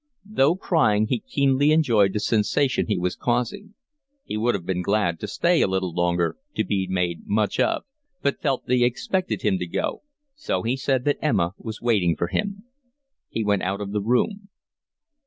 Though crying, he keenly enjoyed the sensation he was causing; he would have been glad to stay a little longer to be made much of, but felt they expected him to go, so he said that Emma was waiting for him. He went out of the room.